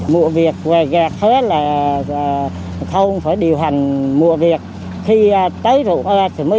mỗi mùa việt gạt thối thấn sâu phải đokus được mùa việt